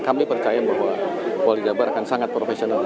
kami percaya bahwa polda jawa barat akan sangat profesional